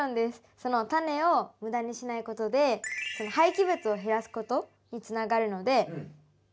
そのタネをムダにしないことで廃棄物を減らすことにつながるのでさすてなポイントです。